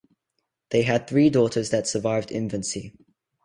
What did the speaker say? They had three daughters that survived infancy.